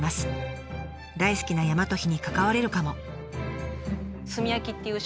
大好きな山と火に関われるかも。